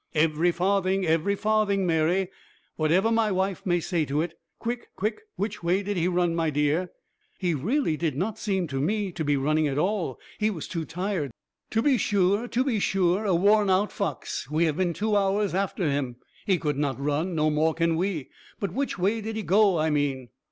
"Every farthing, every farthing, Mary, whatever my wife may say to it. Quick! quick! Which way did he run, my dear?" "He really did not seem to me to be running at all; he was too tired." "To be sure, to be sure, a worn out fox. We have been two hours after him; he could not run; no more can we. But which way did he go, I mean?"